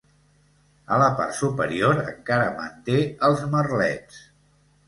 A la part superior encara manté els merlets.